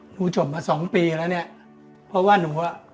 จบมาสองปีแล้วเนี่ยเพราะว่าหนูอ่ะ